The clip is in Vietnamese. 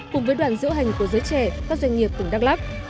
cùng với đoàn diễu hành của giới trẻ các doanh nghiệp tỉnh đắk lắc